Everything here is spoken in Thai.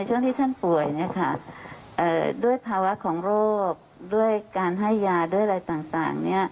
ช่วงที่ท่านป่วยด้วยภาวะของโรคด้วยการให้ยาด้วยอะไรต่าง